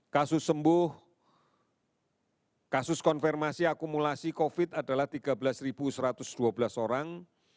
kasus sembuh kasus konfirmasi akumulasi covid adalah tiga belas satu ratus dua belas orang